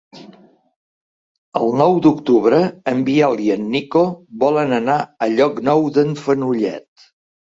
El nou d'octubre en Biel i en Nico volen anar a Llocnou d'en Fenollet.